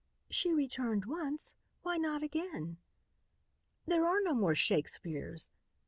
"She returned once, why not again?" "There are no more Shakespeares."